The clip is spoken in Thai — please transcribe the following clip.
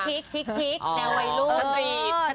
ชิคแนวไวรุ่น